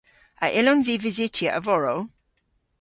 A yllons i vysytya a-vorow?